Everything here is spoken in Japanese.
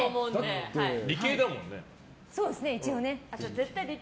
そうですね、一応ね。